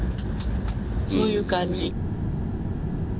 そういう感じ。